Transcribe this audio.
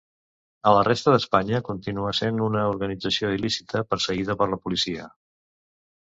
A la resta d'Espanya continua sent una organització il·lícita, perseguida per la policia.